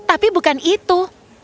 tapi bukan itu